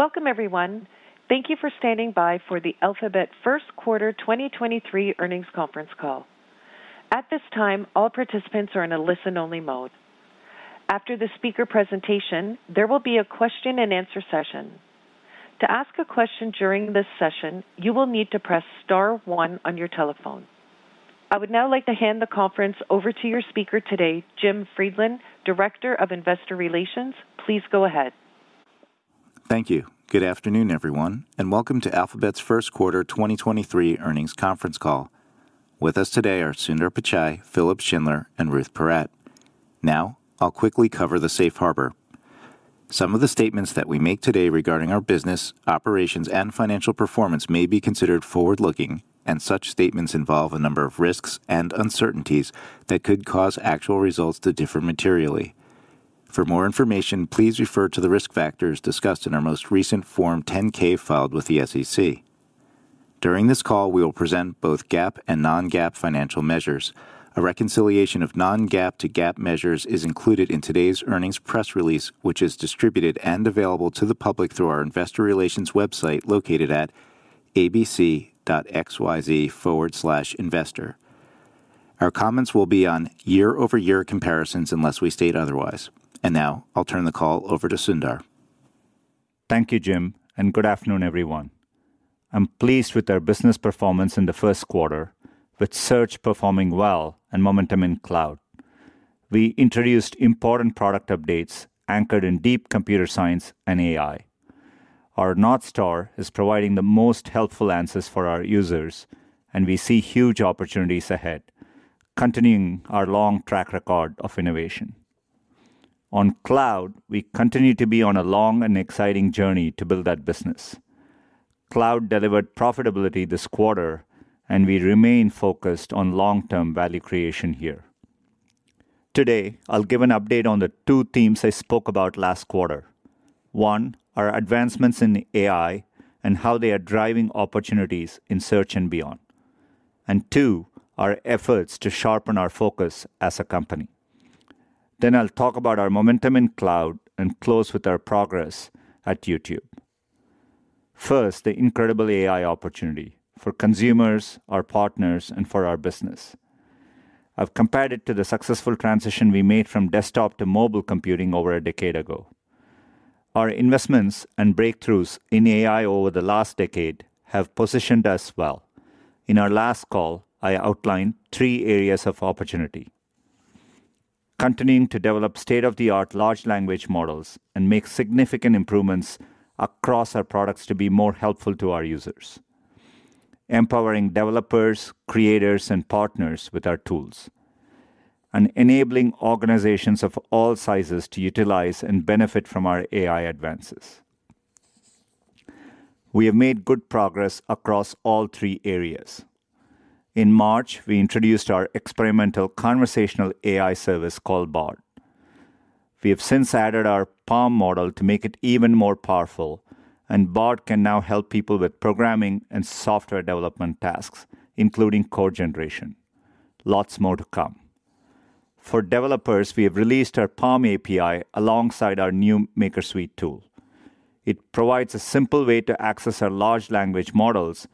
Welcome, everyone. Thank you for standing by for the Alphabet's third quarter 2023 earnings conference call. At this time, all participants are in a listen-only mode. After the speaker presentation, there will be a question-and-answer session. To ask a question during this session, you will need to press star one on your telephone. I would now like to hand the conference over to your speaker today, Jim Friedland, Director of Investor Relations. Please go ahead. Thank you. Good afternoon, everyone, and welcome to Alphabet's Quarter 2023 earnings conference call. With us today are Sundar Pichai, Philipp Schindler, and Ruth Porat. Now, I'll quickly cover the safe harbor. Some of the statements that we make today regarding our business, operations, and financial performance may be considered forward-looking, and such statements involve a number of risks and uncertainties that could cause actual results to differ materially. For more information, please refer to the risk factors discussed in our most recent Form 10-K filed with the SEC. During this call, we will present both GAAP and non-GAAP financial measures. A reconciliation of non-GAAP to GAAP measures is included in today's earnings press release, which is distributed and available to the public through our investor relations website located at abc.xyz/investor. Our comments will be on year-over-year comparisons unless we state otherwise. Now, I'll turn the call over to Sundar. Thank you, Jim, and good afternoon, everyone. I'm pleased with our business performance in the first quarter, with search performing well and momentum in cloud. We introduced important product updates anchored in deep computer science and AI. Our North Star is providing the most helpful answers for our users, and we see huge opportunities ahead, continuing our long track record of innovation. On cloud, we continue to be on a long and exciting journey to build that business. Cloud delivered profitability this quarter, and we remain focused on long-term value creation here. Today, I'll give an update on the two themes I spoke about last quarter. One, our advancements in AI and how they are driving opportunities in search and beyond. And two, our efforts to sharpen our focus as a company. Then I'll talk about our momentum in cloud and close with our progress at YouTube. First, the incredible AI opportunity for consumers, our partners, and for our business. I've compared it to the successful transition we made from desktop to mobile computing over a decade ago. Our investments and breakthroughs in AI over the last decade have positioned us well. In our last call, I outlined three areas of opportunity: continuing to develop state-of-the-art large language models and make significant improvements across our products to be more helpful to our users, empowering developers, creators, and partners with our tools, and enabling organizations of all sizes to utilize and benefit from our AI advances. We have made good progress across all three areas. In March, we introduced our experimental conversational AI service called Bard. We have since added our PaLM model to make it even more powerful, and Bard can now help people with programming and software development tasks, including code generation. Lots more to come. For developers, we have released our PaLM API alongside our new MakerSuite tool. It provides a simple way to access our large language models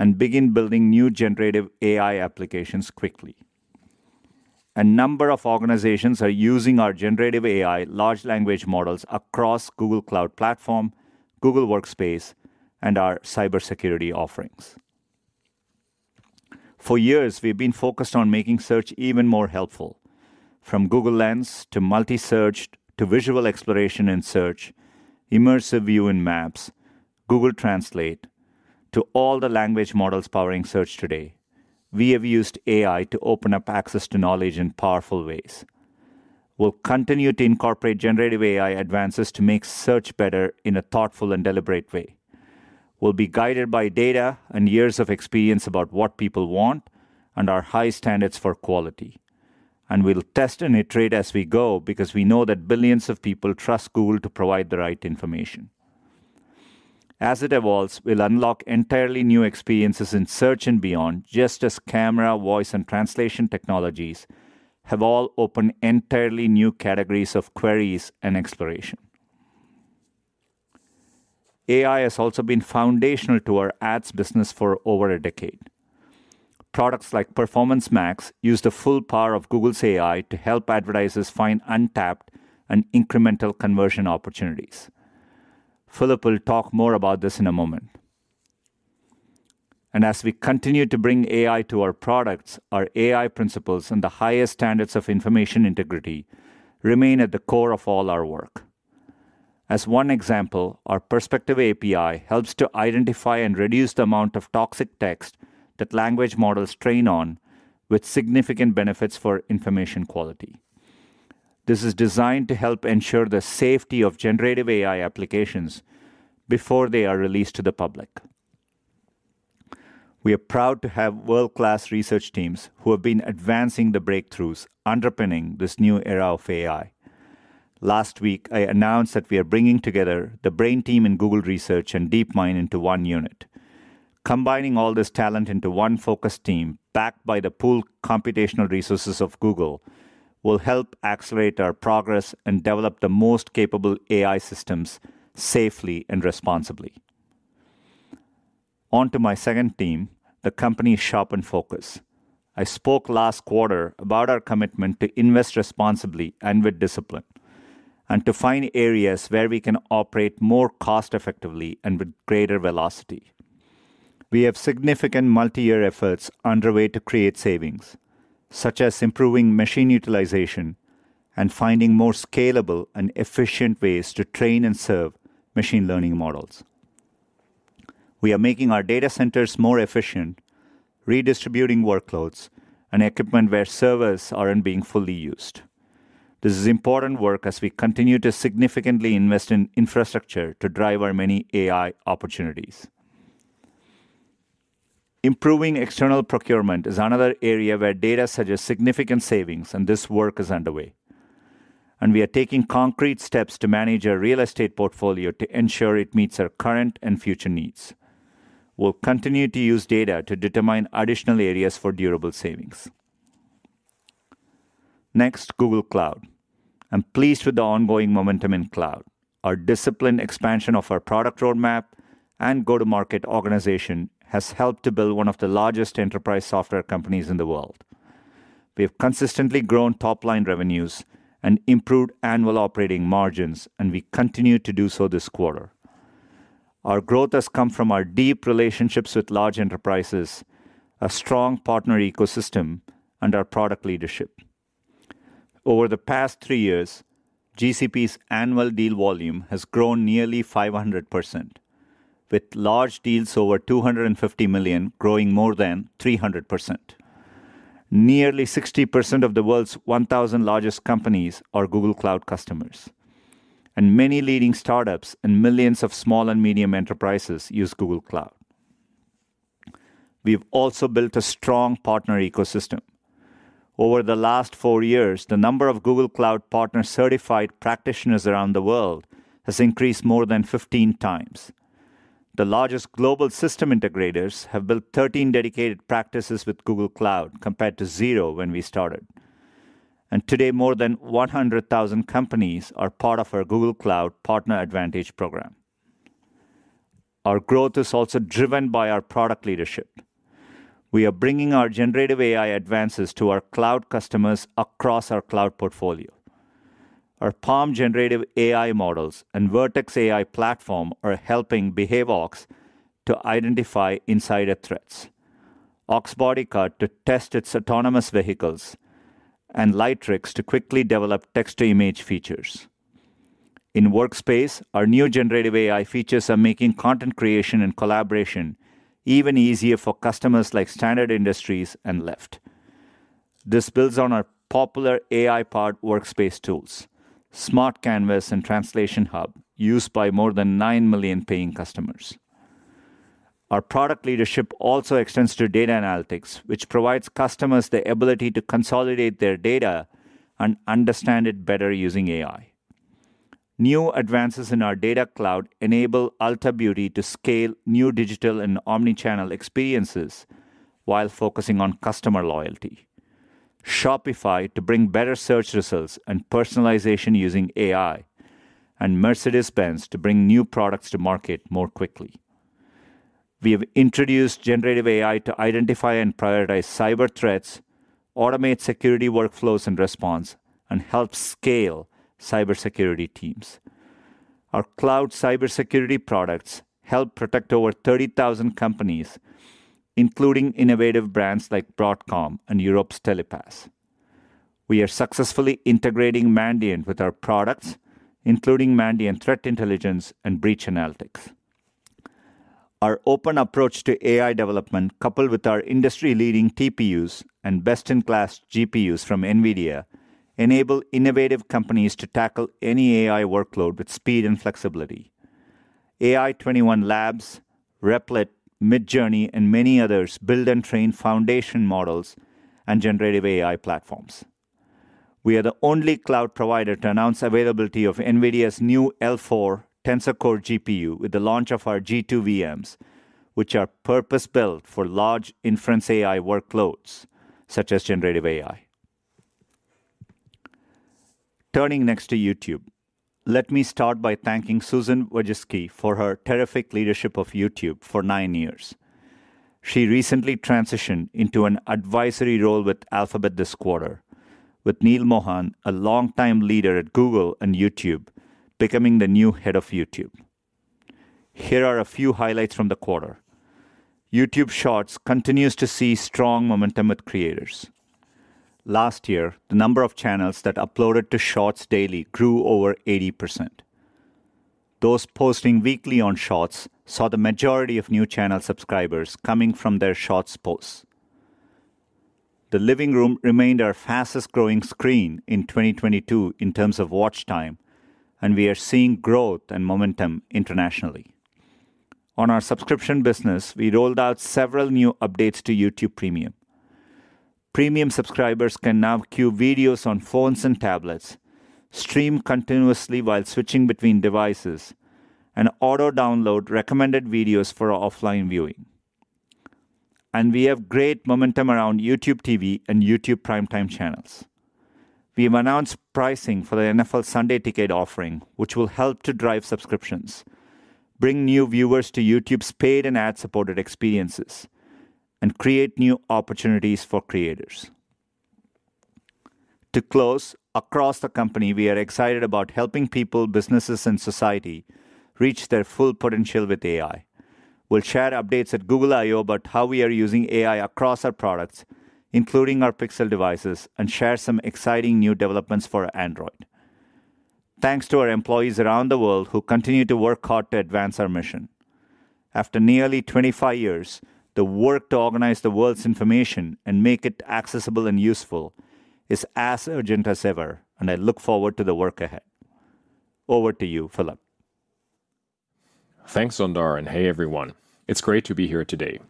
and begin building new generative AI applications quickly. A number of organizations are using our generative AI large language models across Google Cloud Platform, Google Workspace, and our cybersecurity offerings. For years, we've been focused on making search even more helpful. From Google Lens to multi-search to visual exploration in search, immersive view in Maps, Google Translate, to all the language models powering search today, we have used AI to open up access to knowledge in powerful ways. We'll continue to incorporate generative AI advances to make search better in a thoughtful and deliberate way. We'll be guided by data and years of experience about what people want and our high standards for quality. We'll test and iterate as we go because we know that billions of people trust Google to provide the right information. As it evolves, we'll unlock entirely new experiences in search and beyond, just as camera, voice, and translation technologies have all opened entirely new categories of queries and exploration. AI has also been foundational to our ads business for over a decade. Products like Performance Max use the full power of Google's AI to help advertisers find untapped and incremental conversion opportunities. Philipp will talk more about this in a moment. And as we continue to bring AI to our products, our AI principles and the highest standards of information integrity remain at the core of all our work. As one example, our Perspective API helps to identify and reduce the amount of toxic text that language models train on, with significant benefits for information quality. This is designed to help ensure the safety of generative AI applications before they are released to the public. We are proud to have world-class research teams who have been advancing the breakthroughs underpinning this new era of AI. Last week, I announced that we are bringing together the Brain team in Google Research and DeepMind into one unit. Combining all this talent into one focused team, backed by the pooled computational resources of Google, will help accelerate our progress and develop the most capable AI systems safely and responsibly. On to my second theme, the company's sharp focus. I spoke last quarter about our commitment to invest responsibly and with discipline, and to find areas where we can operate more cost-effectively and with greater velocity. We have significant multi-year efforts underway to create savings, such as improving machine utilization and finding more scalable and efficient ways to train and serve machine learning models. We are making our data centers more efficient, redistributing workloads and equipment where servers aren't being fully used. This is important work as we continue to significantly invest in infrastructure to drive our many AI opportunities. Improving external procurement is another area where data suggests significant savings, and this work is underway. And we are taking concrete steps to manage our real estate portfolio to ensure it meets our current and future needs. We'll continue to use data to determine additional areas for durable savings. Next, Google Cloud. I'm pleased with the ongoing momentum in cloud. Our disciplined expansion of our product roadmap and go-to-market organization has helped to build one of the largest enterprise software companies in the world. We have consistently grown top-line revenues and improved annual operating margins, and we continue to do so this quarter. Our growth has come from our deep relationships with large enterprises, a strong partner ecosystem, and our product leadership. Over the past three years, GCP's annual deal volume has grown nearly 500%, with large deals over 250 million growing more than 300%. Nearly 60% of the world's 1,000 largest companies are Google Cloud customers. And many leading startups and millions of small and medium enterprises use Google Cloud. We have also built a strong partner ecosystem. Over the last four years, the number of Google Cloud partner certified practitioners around the world has increased more than 15 times. The largest global system integrators have built 13 dedicated practices with Google Cloud, compared to zero when we started. Today, more than 100,000 companies are part of our Google Cloud Partner Advantage program. Our growth is also driven by our product leadership. We are bringing our generative AI advances to our cloud customers across our cloud portfolio. Our PaLM generative AI models and Vertex AI platform are helping Behavox to identify insider threats, Oxbotica to test its autonomous vehicles, and Lightricks to quickly develop text-to-image features. In Workspace, our new generative AI features are making content creation and collaboration even easier for customers like Standard Industries and Lyft. This builds on our popular AI-powered Workspace tools, Smart Canvas, and Translation Hub, used by more than 9 million paying customers. Our product leadership also extends to data analytics, which provides customers the ability to consolidate their data and understand it better using AI. New advances in our data cloud enable Ulta Beauty to scale new digital and omnichannel experiences while focusing on customer loyalty, Shopify to bring better search results and personalization using AI, and Mercedes-Benz to bring new products to market more quickly. We have introduced generative AI to identify and prioritize cyber threats, automate security workflows and response, and help scale cybersecurity teams. Our cloud cybersecurity products help protect over 30,000 companies, including innovative brands like Broadcom and Europe's Telepass. We are successfully integrating Mandiant with our products, including Mandiant Threat Intelligence and Mandiant Breach Analytics. Our open approach to AI development, coupled with our industry-leading TPUs and best-in-class GPUs from NVIDIA, enables innovative companies to tackle any AI workload with speed and flexibility. AI21 Labs, Replit, Midjourney, and many others build and train foundation models and generative AI platforms. We are the only cloud provider to announce the availability of NVIDIA's new L4 Tensor Core GPU with the launch of our G2 VMs, which are purpose-built for large inference AI workloads such as generative AI. Turning next to YouTube, let me start by thanking Susan Wojcicki for her terrific leadership of YouTube for nine years. She recently transitioned into an advisory role with Alphabet this quarter, with Neal Mohan, a longtime leader at Google and YouTube, becoming the new head of YouTube. Here are a few highlights from the quarter. YouTube Shorts continues to see strong momentum with creators. Last year, the number of channels that uploaded to Shorts daily grew over 80%. Those posting weekly on Shorts saw the majority of new channel subscribers coming from their Shorts posts. The living room remained our fastest-growing screen in 2022 in terms of watch time, and we are seeing growth and momentum internationally. On our subscription business, we rolled out several new updates to YouTube Premium. Premium subscribers can now queue videos on phones and tablets, stream continuously while switching between devices, and auto-download recommended videos for offline viewing. We have great momentum around YouTube TV and YouTube Primetime Channels. We have announced pricing for the NFL Sunday Ticket offering, which will help to drive subscriptions, bring new viewers to YouTube's paid and ad-supported experiences, and create new opportunities for creators. To close, across the company, we are excited about helping people, businesses, and society reach their full potential with AI. We'll share updates at Google I/O about how we are using AI across our products, including our Pixel devices, and share some exciting new developments for Android. Thanks to our employees around the world who continue to work hard to advance our mission. After nearly 25 years, the work to organize the world's information and make it accessible and useful is as urgent as ever, and I look forward to the work ahead. Over to you, Philipp. Thanks, Sundar, and hey, everyone. It's great to be here today.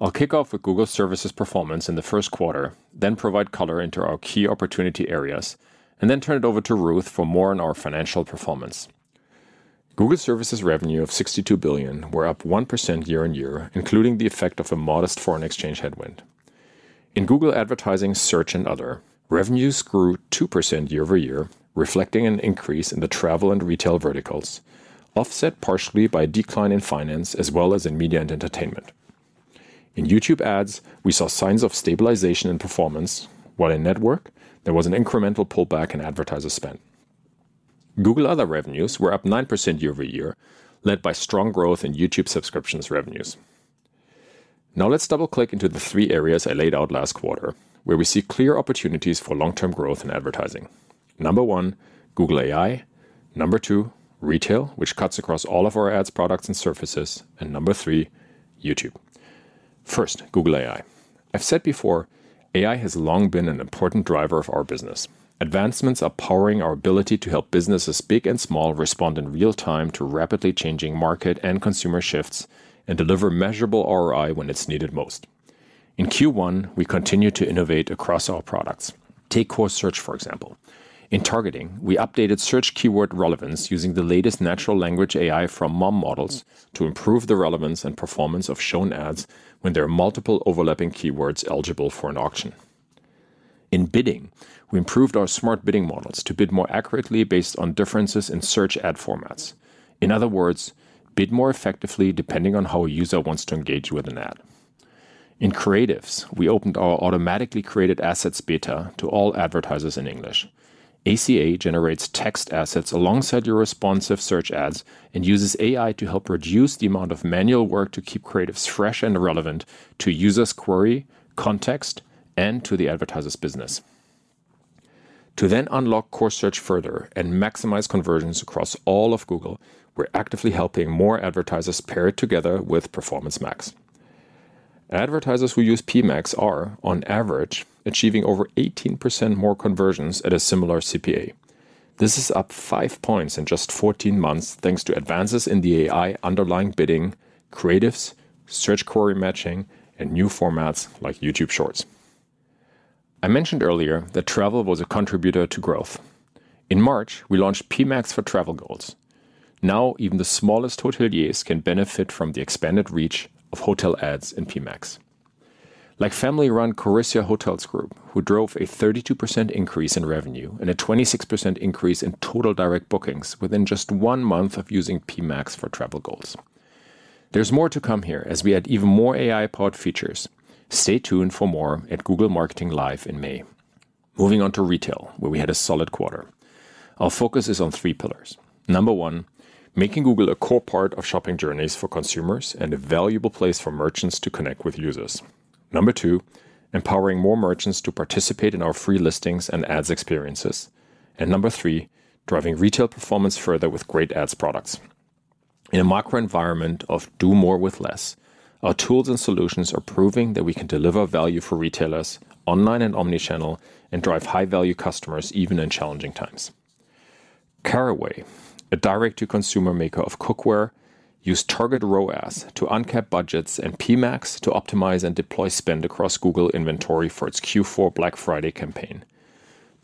I'll kick off with Google Services performance in the first quarter, then provide color into our key opportunity areas, and then turn it over to Ruth for more on our financial performance. Google Services revenue of $62 billion were up 1% year-on-year, including the effect of a modest foreign exchange headwind. In Google Advertising, Search, and Other, revenues grew 2% year-over-year, reflecting an increase in the travel and retail verticals, offset partially by a decline in finance as well as in media and entertainment. In YouTube Ads, we saw signs of stabilization in performance, while in Network, there was an incremental pullback in advertiser spend. Google Other revenues were up 9% year-over-year, led by strong growth in YouTube subscriptions revenues. Now let's double-click into the three areas I laid out last quarter, where we see clear opportunities for long-term growth in advertising. Number one, Google AI. Number two, retail, which cuts across all of our ads, products, and services. And number three, YouTube. First, Google AI. I've said before, AI has long been an important driver of our business. Advancements are powering our ability to help businesses big and small respond in real time to rapidly changing market and consumer shifts and deliver measurable ROI when it's needed most. In Q1, we continue to innovate across our products. Take Core Search, for example. In targeting, we updated search keyword relevance using the latest natural language AI from MUM models to improve the relevance and performance of shown ads when there are multiple overlapping keywords eligible for an auction. In bidding, we improved our smart bidding models to bid more accurately based on differences in search ad formats. In other words, bid more effectively depending on how a user wants to engage with an ad. In creatives, we opened our automatically created assets beta to all advertisers in English. ACA generates text assets alongside your responsive search ads and uses AI to help reduce the amount of manual work to keep creatives fresh and relevant to users' query, context, and to the advertiser's business. To then unlock Core Search further and maximize conversions across all of Google, we're actively helping more advertisers pair it together with Performance Max. Advertisers who use PMax are, on average, achieving over 18% more conversions at a similar CPA. This is up five points in just 14 months, thanks to advances in the AI underlying bidding, creatives, search query matching, and new formats like YouTube Shorts. I mentioned earlier that travel was a contributor to growth. In March, we launched PMax for travel goals. Now, even the smallest hoteliers can benefit from the expanded reach of hotel ads in PMax. Like family-run Corissia Hotels Group, who drove a 32% increase in revenue and a 26% increase in total direct bookings within just one month of using PMax for travel goals. There's more to come here as we add even more AI-powered features. Stay tuned for more at Google Marketing Live in May. Moving on to retail, where we had a solid quarter. Our focus is on three pillars. Number one, making Google a core part of shopping journeys for consumers and a valuable place for merchants to connect with users. Number two, empowering more merchants to participate in our free listings and ads experiences, and number three, driving retail performance further with great ads products. In a macro environment of do more with less, our tools and solutions are proving that we can deliver value for retailers online and omnichannel and drive high-value customers even in challenging times. Caraway, a direct-to-consumer maker of cookware, used Target ROAS to uncap budgets and PMax to optimize and deploy spend across Google inventory for its Q4 Black Friday campaign.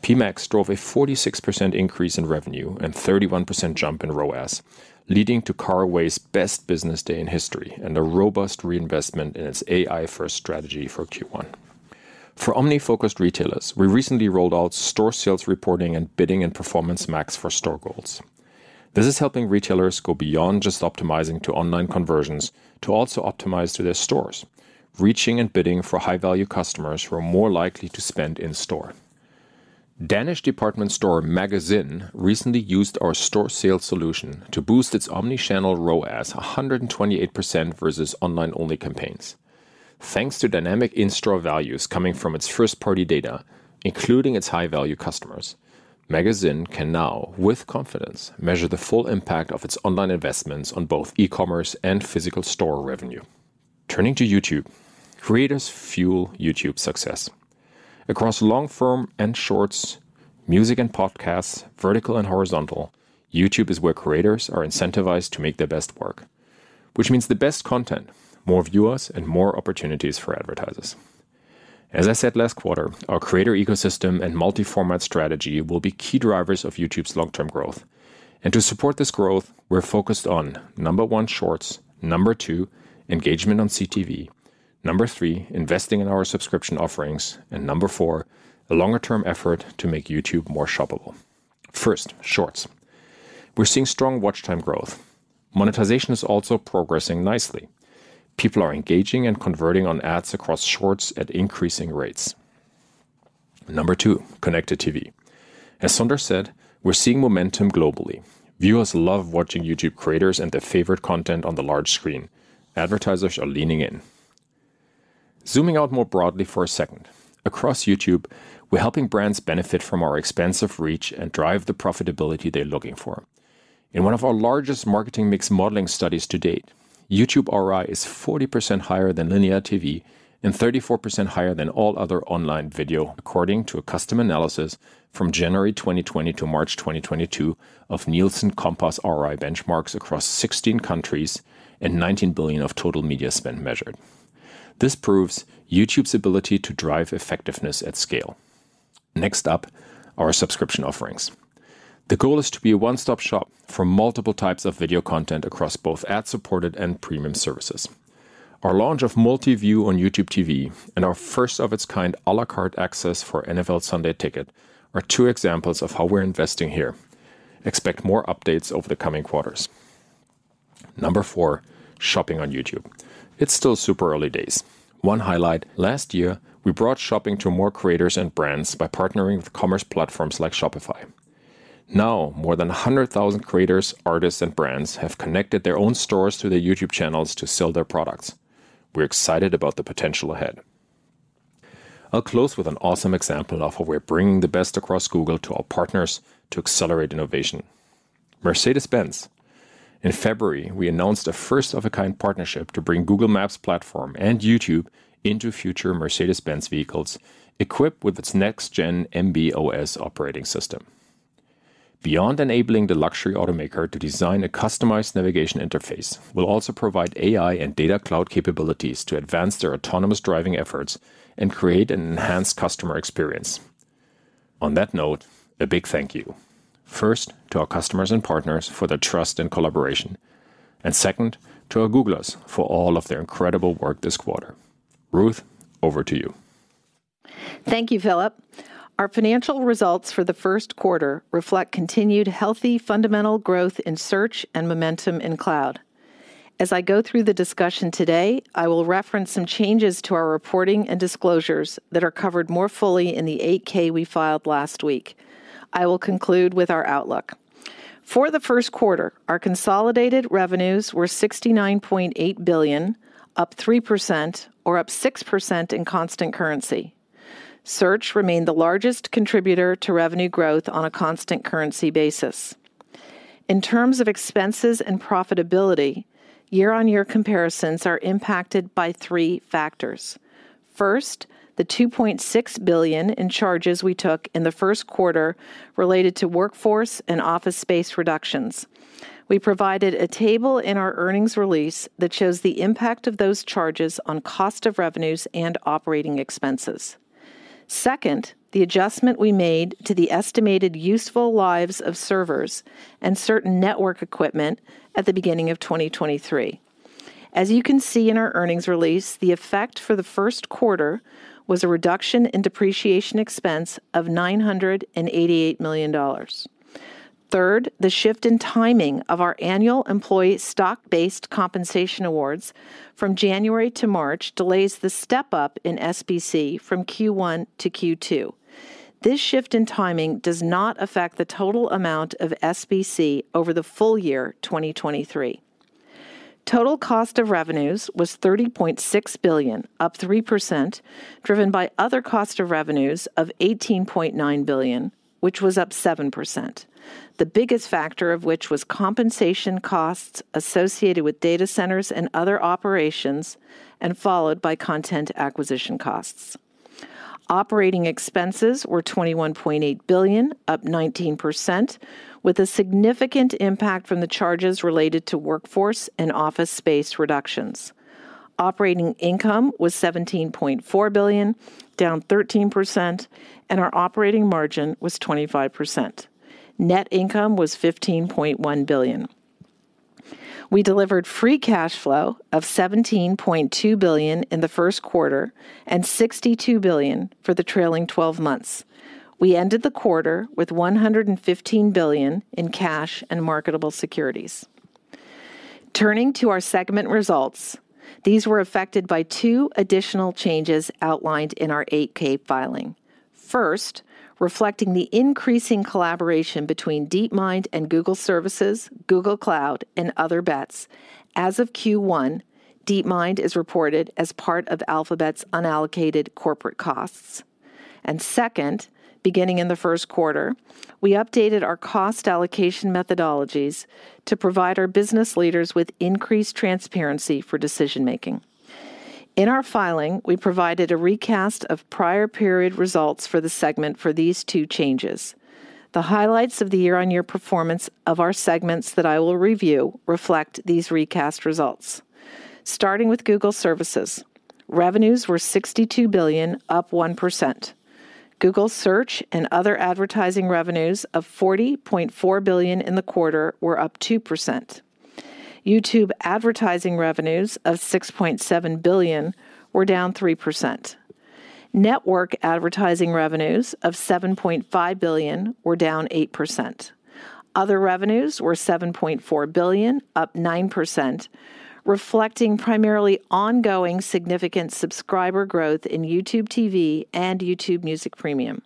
PMax drove a 46% increase in revenue and a 31% jump in ROAS, leading to Caraway's best business day in history and a robust reinvestment in its AI-first strategy for Q1. For omni-focused retailers, we recently rolled out store sales reporting and bidding in Performance Max for store goals. This is helping retailers go beyond just optimizing to online conversions to also optimize to their stores, reaching and bidding for high-value customers who are more likely to spend in store. Danish department store Magasin du Nord recently used our store sales solution to boost its omnichannel ROAS 128% versus online-only campaigns. Thanks to dynamic in-store values coming from its first-party data, including its high-value customers, Magasin du Nord can now, with confidence, measure the full impact of its online investments on both e-commerce and physical store revenue. Turning to YouTube, creators fuel YouTube success. Across long-form and shorts, music and podcasts, vertical and horizontal, YouTube is where creators are incentivized to make their best work, which means the best content, more viewers, and more opportunities for advertisers. As I said last quarter, our creator ecosystem and multi-format strategy will be key drivers of YouTube's long-term growth, and to support this growth, we're focused on, number one, Shorts, number two, engagement on CTV, number three, investing in our subscription offerings, and number four, a longer-term effort to make YouTube more shoppable. First, Shorts. We're seeing strong watch time growth. Monetization is also progressing nicely. People are engaging and converting on ads across Shorts at increasing rates. Number two, connected TV. As Sundar said, we're seeing momentum globally. Viewers love watching YouTube creators and their favorite content on the large screen. Advertisers are leaning in. Zooming out more broadly for a second, across YouTube, we're helping brands benefit from our expansive reach and drive the profitability they're looking for. In one of our largest marketing mix modeling studies to date, YouTube ROI is 40% higher than linear TV and 34% higher than all other online video, according to a custom analysis from January 2020 to March 2022 of Nielsen Compass ROI benchmarks across 16 countries and $19 billion of total media spend measured. This proves YouTube's ability to drive effectiveness at scale. Next up, our subscription offerings. The goal is to be a one-stop shop for multiple types of video content across both ad-supported and premium services. Our launch of multi-view on YouTube TV and our first-of-its-kind à la carte access for NFL Sunday Ticket are two examples of how we're investing here. Expect more updates over the coming quarters. Number four, shopping on YouTube. It's still super early days. One highlight, last year, we brought shopping to more creators and brands by partnering with commerce platforms like Shopify. Now, more than 100,000 creators, artists, and brands have connected their own stores to their YouTube channels to sell their products. We're excited about the potential ahead. I'll close with an awesome example of how we're bringing the best across Google to our partners to accelerate innovation. Mercedes-Benz. In February, we announced a first-of-a-kind partnership to bring Google Maps platform and YouTube into future Mercedes-Benz vehicles equipped with its next-gen MB.OS operating system. Beyond enabling the luxury automaker to design a customized navigation interface, we'll also provide AI and data cloud capabilities to advance their autonomous driving efforts and create an enhanced customer experience. On that note, a big thank you. First, to our customers and partners for their trust and collaboration, and second, to our Googlers for all of their incredible work this quarter. Ruth, over to you. Thank you, Philipp. Our financial results for the first quarter reflect continued healthy fundamental growth in search and momentum in cloud. As I go through the discussion today, I will reference some changes to our reporting and disclosures that are covered more fully in the 8-K we filed last week. I will conclude with our outlook. For the first quarter, our consolidated revenues were $69.8 billion, up 3%, or up 6% in constant currency. Search remained the largest contributor to revenue growth on a constant currency basis. In terms of expenses and profitability, year-on-year comparisons are impacted by three factors. First, the $2.6 billion in charges we took in the first quarter related to workforce and office space reductions. We provided a table in our earnings release that shows the impact of those charges on cost of revenues and operating expenses. Second, the adjustment we made to the estimated useful lives of servers and certain network equipment at the beginning of 2023. As you can see in our earnings release, the effect for the first quarter was a reduction in depreciation expense of $988 million. Third, the shift in timing of our annual employee stock-based compensation awards from January to March delays the step-up in SBC from Q1 to Q2. This shift in timing does not affect the total amount of SBC over the full year 2023. Total cost of revenues was $30.6 billion, up 3%, driven by other cost of revenues of $18.9 billion, which was up 7%, the biggest factor of which was compensation costs associated with data centers and other operations and followed by content acquisition costs. Operating expenses were $21.8 billion, up 19%, with a significant impact from the charges related to workforce and office space reductions. Operating income was $17.4 billion, down 13%, and our operating margin was 25%. Net income was $15.1 billion. We delivered free cash flow of $17.2 billion in the first quarter and $62 billion for the trailing 12 months. We ended the quarter with $115 billion in cash and marketable securities. Turning to our segment results, these were affected by two additional changes outlined in our 8-K filing. First, reflecting the increasing collaboration between DeepMind and Google services, Google Cloud, and Other Bets, as of Q1, DeepMind is reported as part of Alphabet's unallocated corporate costs. And second, beginning in the first quarter, we updated our cost allocation methodologies to provide our business leaders with increased transparency for decision-making. In our filing, we provided a recast of prior period results for the segment for these two changes. The highlights of the year-on-year performance of our segments that I will review reflect these recast results. Starting with Google Services, revenues were $62 billion, up 1%. Google Search and other advertising revenues of $40.4 billion in the quarter were up 2%. YouTube advertising revenues of $6.7 billion were down 3%. Network advertising revenues of $7.5 billion were down 8%. Other revenues were $7.4 billion, up 9%, reflecting primarily ongoing significant subscriber growth in YouTube TV and YouTube Music Premium.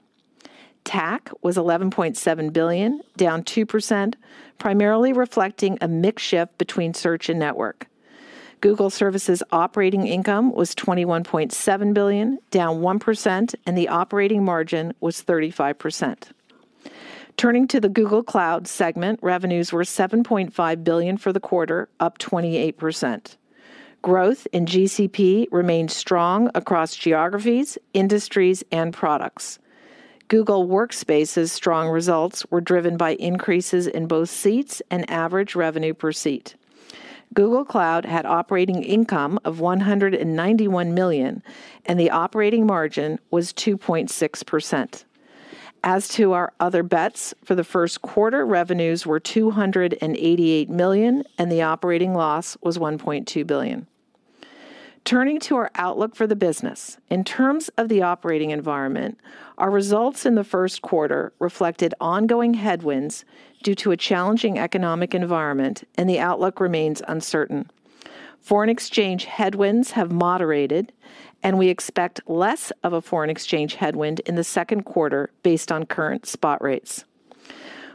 TAC was $11.7 billion, down 2%, primarily reflecting a mixed shift between search and network. Google Services operating income was $21.7 billion, down 1%, and the operating margin was 35%. Turning to the Google Cloud segment, revenues were $7.5 billion for the quarter, up 28%. Growth in GCP remained strong across geographies, industries, and products. Google Workspace's strong results were driven by increases in both seats and average revenue per seat. Google Cloud had operating income of $191 million, and the operating margin was 2.6%. As to our other bets, for the first quarter, revenues were $288 million, and the operating loss was $1.2 billion. Turning to our outlook for the business, in terms of the operating environment, our results in the first quarter reflected ongoing headwinds due to a challenging economic environment, and the outlook remains uncertain. Foreign exchange headwinds have moderated, and we expect less of a foreign exchange headwind in the second quarter based on current spot rates.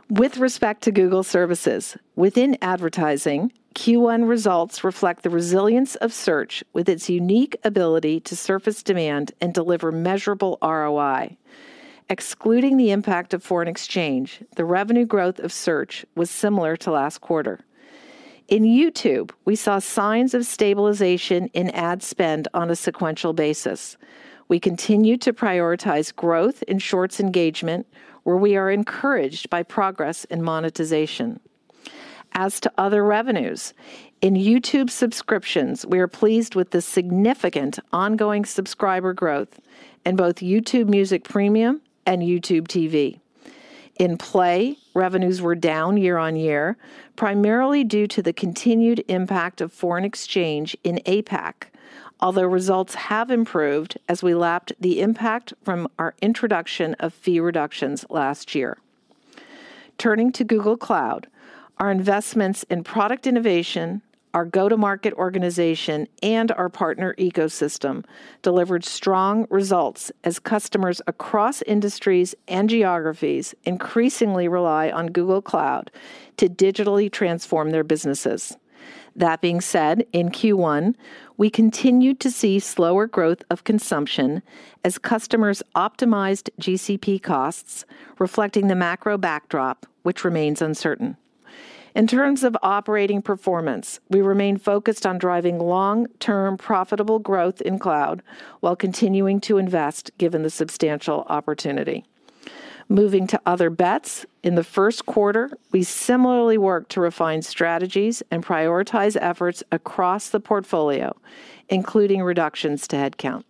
With respect to Google services, within advertising, Q1 results reflect the resilience of search with its unique ability to surface demand and deliver measurable ROI. Excluding the impact of foreign exchange, the revenue growth of search was similar to last quarter. In YouTube, we saw signs of stabilization in ad spend on a sequential basis. We continue to prioritize growth in shorts engagement, where we are encouraged by progress in monetization. As to other revenues, in YouTube subscriptions, we are pleased with the significant ongoing subscriber growth in both YouTube Music Premium and YouTube TV. In Play, revenues were down year-on-year, primarily due to the continued impact of foreign exchange in APAC, although results have improved as we lapped the impact from our introduction of fee reductions last year. Turning to Google Cloud, our investments in product innovation, our go-to-market organization, and our partner ecosystem delivered strong results as customers across industries and geographies increasingly rely on Google Cloud to digitally transform their businesses. That being said, in Q1, we continued to see slower growth of consumption as customers optimized GCP costs, reflecting the macro backdrop, which remains uncertain. In terms of operating performance, we remain focused on driving long-term profitable growth in cloud while continuing to invest given the substantial opportunity. Moving to other bets, in the first quarter, we similarly worked to refine strategies and prioritize efforts across the portfolio, including reductions to headcount.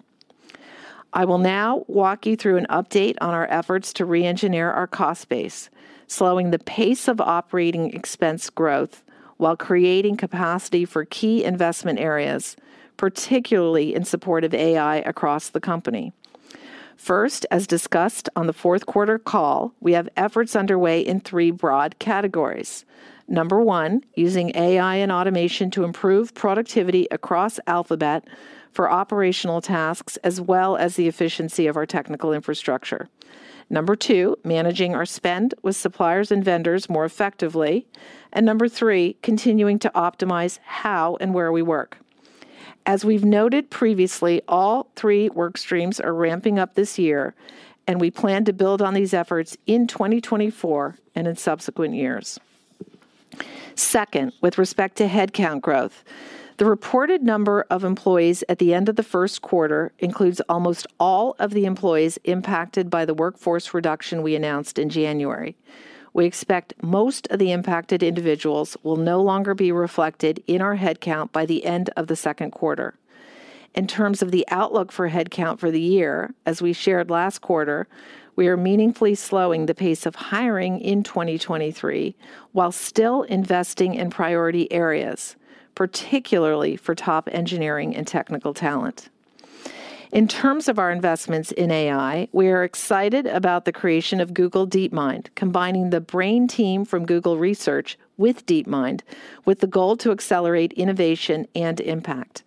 I will now walk you through an update on our efforts to re-engineer our cost base, slowing the pace of operating expense growth while creating capacity for key investment areas, particularly in support of AI across the company. First, as discussed on the fourth quarter call, we have efforts underway in three broad categories. Number one, using AI and automation to improve productivity across Alphabet for operational tasks, as well as the efficiency of our technical infrastructure. Number two, managing our spend with suppliers and vendors more effectively. And number three, continuing to optimize how and where we work. As we've noted previously, all three work streams are ramping up this year, and we plan to build on these efforts in 2024 and in subsequent years. Second, with respect to headcount growth, the reported number of employees at the end of the first quarter includes almost all of the employees impacted by the workforce reduction we announced in January. We expect most of the impacted individuals will no longer be reflected in our headcount by the end of the second quarter. In terms of the outlook for headcount for the year, as we shared last quarter, we are meaningfully slowing the pace of hiring in 2023 while still investing in priority areas, particularly for top engineering and technical talent. In terms of our investments in AI, we are excited about the creation of Google DeepMind, combining the Google Brain team from Google Research with DeepMind with the goal to accelerate innovation and impact.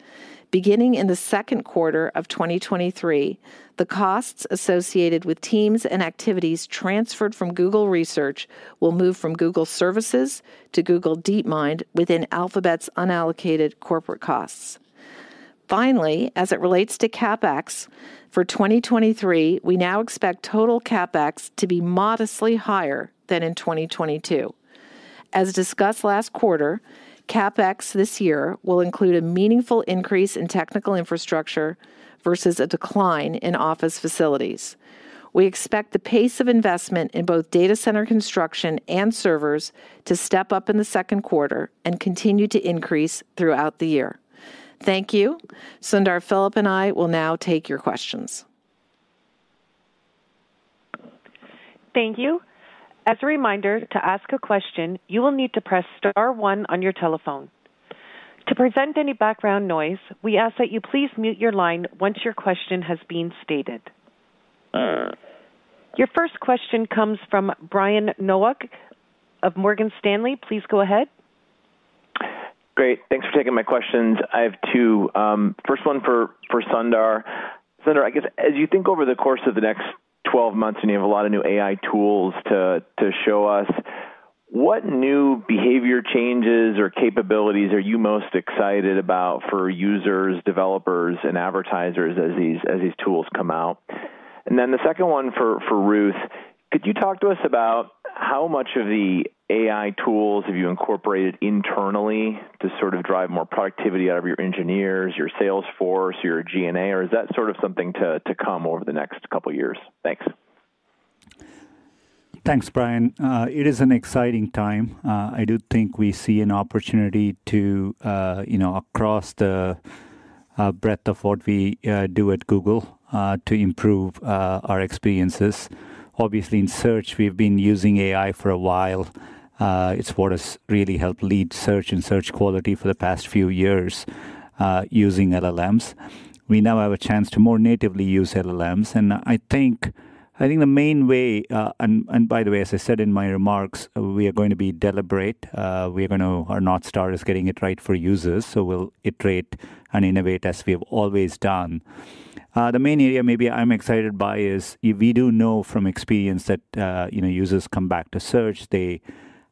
Beginning in the second quarter of 2023, the costs associated with teams and activities transferred from Google Research will move from Google Services to Google DeepMind within Alphabet's unallocated corporate costs. Finally, as it relates to CapEx, for 2023, we now expect total CapEx to be modestly higher than in 2022. As discussed last quarter, CapEx this year will include a meaningful increase in technical infrastructure versus a decline in office facilities. We expect the pace of investment in both data center construction and servers to step up in the second quarter and continue to increase throughout the year. Thank you. Sundar, Philipp, and I will now take your questions. Thank you. As a reminder, to ask a question, you will need to press star one on your telephone. To prevent any background noise, we ask that you please mute your line once your question has been stated. Your first question comes from Brian Nowak of Morgan Stanley. Please go ahead. Great. Thanks for taking my questions. I have two. First one for Sundar. Sundar, I guess, as you think over the course of the next 12 months and you have a lot of new AI tools to show us, what new behavior changes or capabilities are you most excited about for users, developers, and advertisers as these tools come out? And then the second one for Ruth, could you talk to us about how much of the AI tools have you incorporated internally to sort of drive more productivity out of your engineers, your sales force, your G&A? Or is that sort of something to come over the next couple of years? Thanks. Thanks, Brian. It is an exciting time. I do think we see an opportunity across the breadth of what we do at Google to improve our experiences. Obviously, in search, we've been using AI for a while. It's what has really helped lead search and search quality for the past few years using LLMs. We now have a chance to more natively use LLMs, and I think the main way, and by the way, as I said in my remarks, we are going to be deliberate. We are going to not start as getting it right for users, so we'll iterate and innovate as we have always done. The main area maybe I'm excited by is we do know from experience that users come back to search. They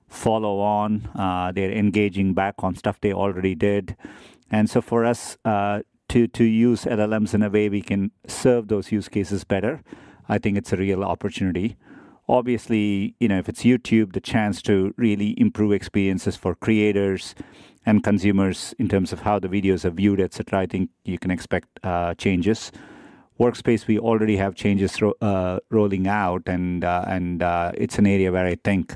follow on. They're engaging back on stuff they already did. And so for us to use LLMs in a way we can serve those use cases better, I think it's a real opportunity. Obviously, if it's YouTube, the chance to really improve experiences for creators and consumers in terms of how the videos are viewed, et cetera, I think you can expect changes. Workspace, we already have changes rolling out, and it's an area where I think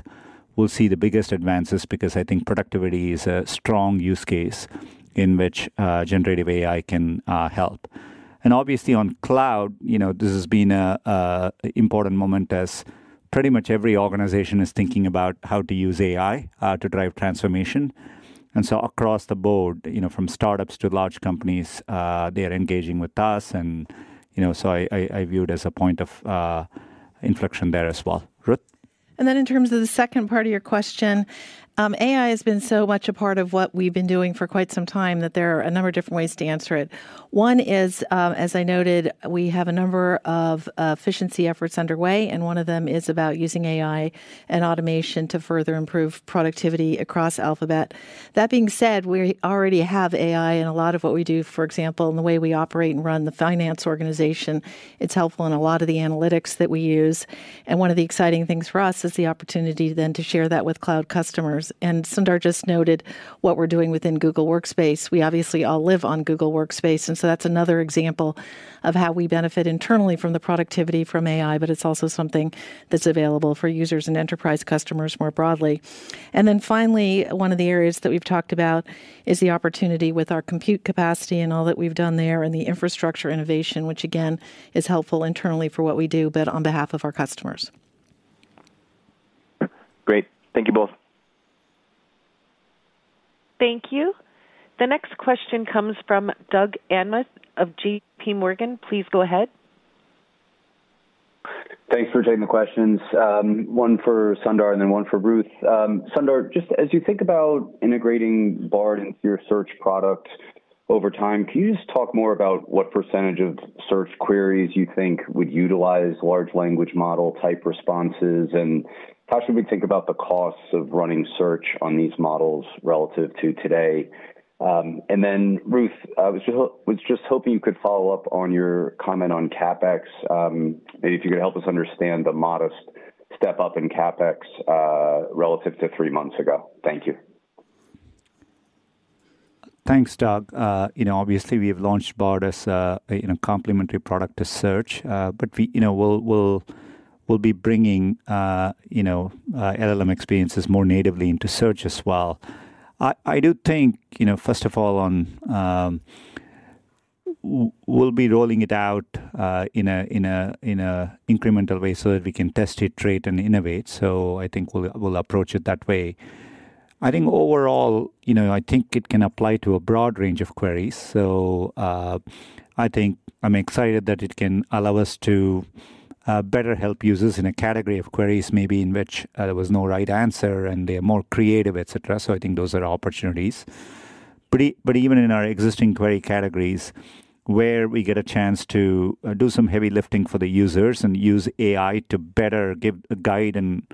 we'll see the biggest advances because I think productivity is a strong use case in which generative AI can help. And obviously, on cloud, this has been an important moment as pretty much every organization is thinking about how to use AI to drive transformation. And so across the board, from startups to large companies, they are engaging with us. And so I view it as a point of inflection there as well. Ruth? And then in terms of the second part of your question, AI has been so much a part of what we've been doing for quite some time that there are a number of different ways to answer it. One is, as I noted, we have a number of efficiency efforts underway, and one of them is about using AI and automation to further improve productivity across Alphabet. That being said, we already have AI in a lot of what we do, for example, in the way we operate and run the finance organization. It's helpful in a lot of the analytics that we use. And one of the exciting things for us is the opportunity then to share that with cloud customers. And Sundar just noted what we're doing within Google Workspace. We obviously all live on Google Workspace, and so that's another example of how we benefit internally from the productivity from AI, but it's also something that's available for users and enterprise customers more broadly. And then finally, one of the areas that we've talked about is the opportunity with our compute capacity and all that we've done there and the infrastructure innovation, which again is helpful internally for what we do, but on behalf of our customers. Great. Thank you both. Thank you. The next question comes from Doug Anmuth of J.P. Morgan. Please go ahead. Thanks for taking the questions. One for Sundar and then one for Ruth. Sundar, just as you think about integrating Bard into your search product over time, can you just talk more about what percentage of search queries you think would utilize large language model type responses? How should we think about the costs of running search on these models relative to today? And then Ruth, I was just hoping you could follow up on your comment on CapEx, maybe if you could help us understand the modest step up in CapEx relative to three months ago. Thank you. Thanks, Doug. Obviously, we have launched Bard as a complementary product to search, but we'll be bringing LLM experiences more natively into search as well. I do think, first of all, we'll be rolling it out in an incremental way so that we can test it, iterate, and innovate. So I think we'll approach it that way. I think overall, I think it can apply to a broad range of queries. So I think I'm excited that it can allow us to better help users in a category of queries maybe in which there was no right answer and they're more creative, et cetera. So I think those are opportunities. But even in our existing query categories where we get a chance to do some heavy lifting for the users and use AI to better guide them,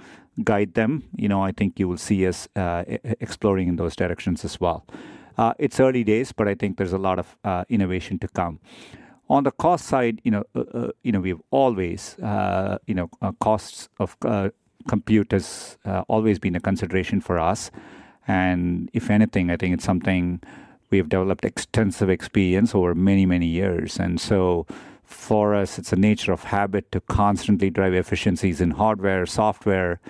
I think you will see us exploring in those directions as well. It's early days, but I think there's a lot of innovation to come. On the cost side, compute costs have always been a consideration for us. And if anything, I think it's something we've developed extensive experience over many, many years. And so for us, it's second nature, a habit to constantly drive efficiencies in hardware, software,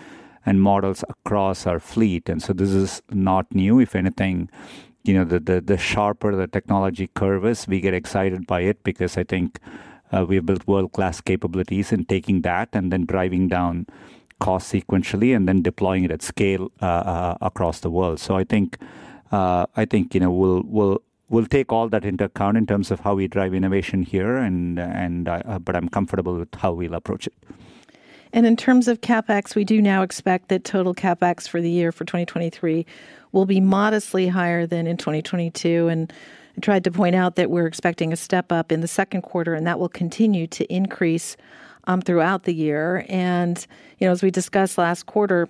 and models across our fleet. And so this is not new. If anything, the sharper the technology curve is, we get excited by it because I think we have built world-class capabilities in taking that and then driving down cost sequentially and then deploying it at scale across the world. So I think we'll take all that into account in terms of how we drive innovation here, but I'm comfortable with how we'll approach it. And in terms of CapEx, we do now expect that total CapEx for the year for 2023 will be modestly higher than in 2022. And I tried to point out that we're expecting a step up in the second quarter, and that will continue to increase throughout the year. And as we discussed last quarter,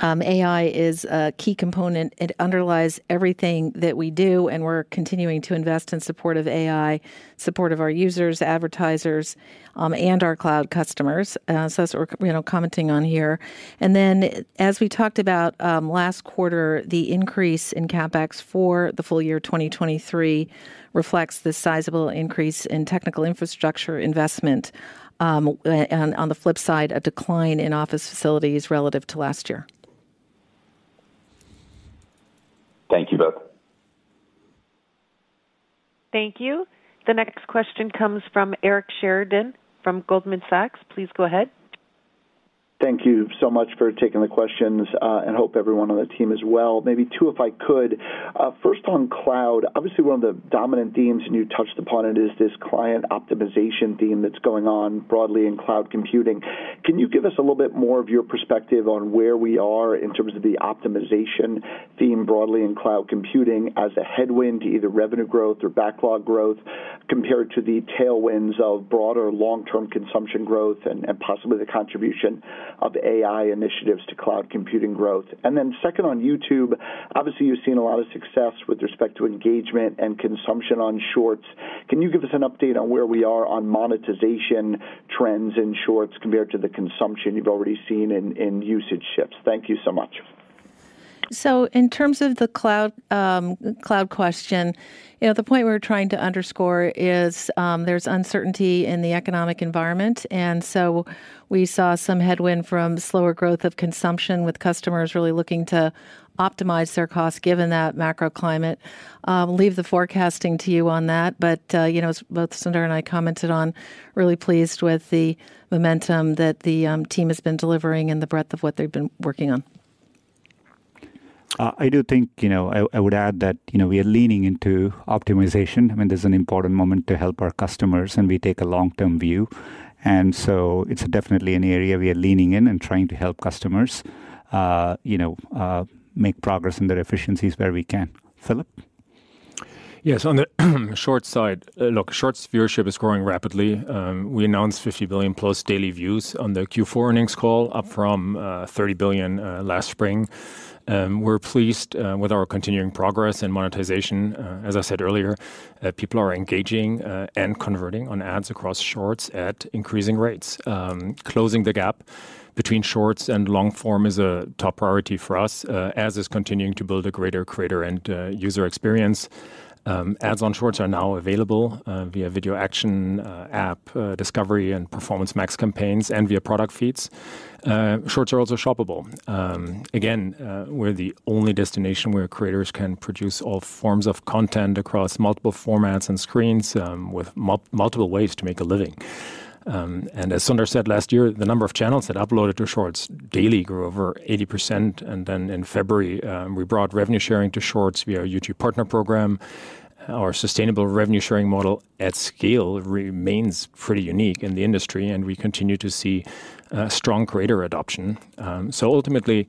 AI is a key component. It underlies everything that we do, and we're continuing to invest in support of AI, support of our users, advertisers, and our cloud customers. That's what we're commenting on here. And then as we talked about last quarter, the increase in CapEx for the full year 2023 reflects the sizable increase in technical infrastructure investment. And on the flip side, a decline in office facilities relative to last year. Thank you both. Thank you. The next question comes from Eric Sheridan from Goldman Sachs. Please go ahead. Thank you so much for taking the questions and hope everyone on the team as well. Maybe two, if I could. First, on cloud, obviously one of the dominant themes, and you touched upon it, is this cloud optimization theme that's going on broadly in cloud computing. Can you give us a little bit more of your perspective on where we are in terms of the optimization theme broadly in cloud computing as a headwind to either revenue growth or backlog growth compared to the tailwinds of broader long-term consumption growth and possibly the contribution of AI initiatives to cloud computing growth? And then second, on YouTube, obviously you've seen a lot of success with respect to engagement and consumption on Shorts. Can you give us an update on where we are on monetization trends in Shorts compared to the consumption you've already seen in usage shifts? Thank you so much. So in terms of the cloud question, the point we're trying to underscore is there's uncertainty in the economic environment. And so we saw some headwind from slower growth of consumption with customers really looking to optimize their costs given that macro climate. Leave the forecasting to you on that, but both Sundar and I commented on really pleased with the momentum that the team has been delivering and the breadth of what they've been working on. I do think I would add that we are leaning into optimization. I mean, this is an important moment to help our customers, and we take a long-term view, and so it's definitely an area we are leaning in and trying to help customers make progress in their efficiencies where we can. Philipp? Yes, on the Shorts side, look, Shorts viewership is growing rapidly. We announced 50 billion plus daily views on the Q4 earnings call, up from 30 billion last spring. We're pleased with our continuing progress and monetization. As I said earlier, people are engaging and converting on ads across Shorts at increasing rates. Closing the gap between Shorts and long-form is a top priority for us, as is continuing to build a greater creator and user experience. Ads on Shorts are now available via Video Action, App, Discovery and Performance Max campaigns and via product feeds. Shorts are also shoppable. Again, we're the only destination where creators can produce all forms of content across multiple formats and screens with multiple ways to make a living. And as Sundar said last year, the number of channels that uploaded to Shorts daily grew over 80%. And then in February, we brought revenue sharing to Shorts via our YouTube Partner Program. Our sustainable revenue sharing model at scale remains pretty unique in the industry, and we continue to see strong creator adoption. So ultimately,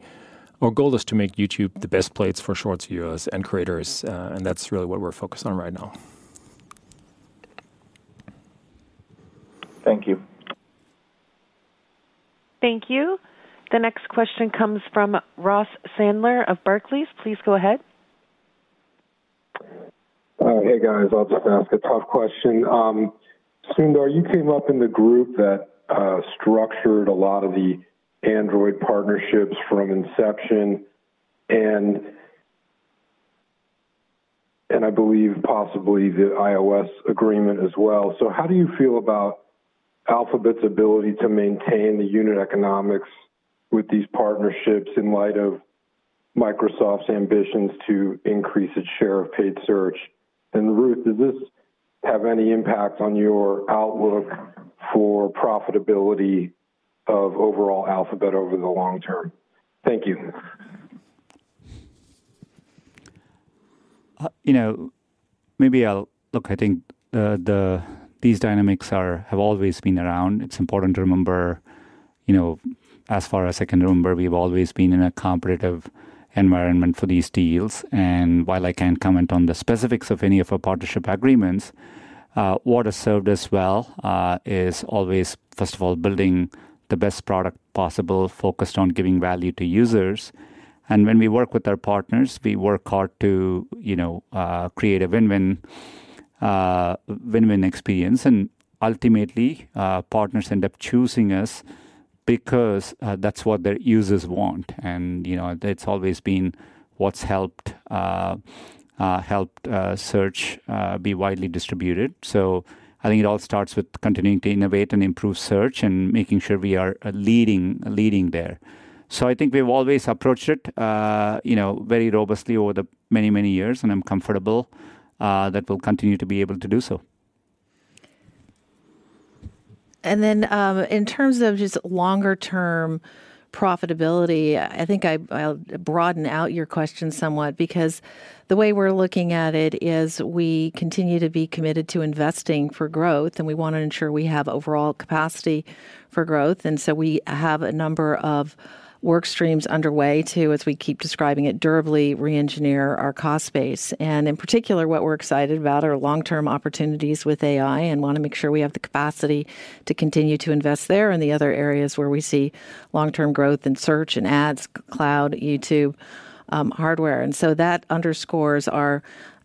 our goal is to make YouTube the best place for Shorts viewers and creators, and that's really what we're focused on right now. Thank you. Thank you. The next question comes from Ross Sandler of Barclays. Please go ahead. Hey, guys. I'll just ask a tough question. Sundar, you came up in the group that structured a lot of the Android partnerships from inception, and I believe possibly the iOS agreement as well. So how do you feel about Alphabet's ability to maintain the unit economics with these partnerships in light of Microsoft's ambitions to increase its share of paid search? And Ruth, does this have any impact on your outlook for profitability of overall Alphabet over the long term? Thank you. Maybe I'll look. I think these dynamics have always been around. It's important to remember, as far as I can remember, we've always been in a competitive environment for these deals. And while I can't comment on the specifics of any of our partnership agreements, what has served us well is always, first of all, building the best product possible, focused on giving value to users. And when we work with our partners, we work hard to create a win-win experience. And ultimately, partners end up choosing us because that's what their users want. And it's always been what's helped search be widely distributed. So I think it all starts with continuing to innovate and improve search and making sure we are leading there. So I think we've always approached it very robustly over the many, many years, and I'm comfortable that we'll continue to be able to do so. And then in terms of just longer-term profitability, I think I'll broaden out your question somewhat because the way we're looking at it is we continue to be committed to investing for growth, and we want to ensure we have overall capacity for growth. And so we have a number of work streams underway to, as we keep describing it, durably re-engineer our cost base. And in particular, what we're excited about are long-term opportunities with AI and want to make sure we have the capacity to continue to invest there in the other areas where we see long-term growth in search and ads, cloud, YouTube, hardware. And so that underscores our